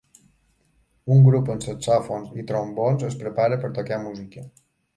Un grup amb saxòfons i trombons es prepara per tocar música